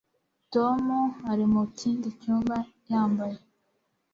tom ari mu kindi cyumba yambaye